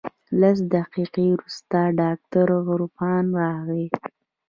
لس دقيقې وروسته ډاکتر عرفان راغى.